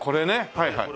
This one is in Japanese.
はいはい。